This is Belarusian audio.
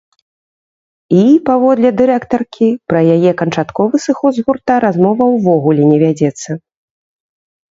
І, паводле дырэктаркі, пра яе канчатковы сыход з гурта размова ўвогуле не вядзецца.